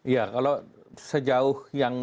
ya kalau sejauh yang